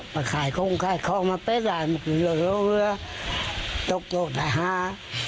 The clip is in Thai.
มาขายของขายของมาเป็นอะไรมันคือเรือเรือเรือเรือจกจกแต่ฮะ